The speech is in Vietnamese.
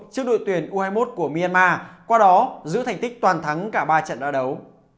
trước đội tuyển u hai mươi một của myanmar qua đó giữ thành tích toàn thắng cả ba trận đấu